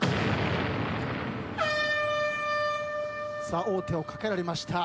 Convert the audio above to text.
さあ王手をかけられました